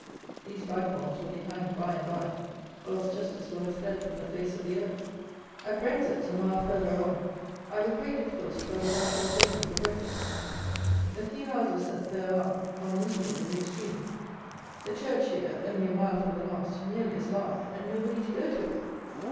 These vagabonds will be hanged by and by, or else justice will have fled from the face of the earth. At Brenzett (a mile further on) I with great difficulty got a rasher of bacon for breakfast. The few houses that there are are miserable in the extreme. The church here (only a mile from the last) nearly as large; and nobody to go to it.